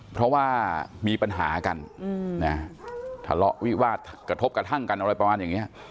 เพราะว่ามีปัญหากันทะเลาะวิวาดกระทบกระทั่งกันอะไรประมาณอย่างนี้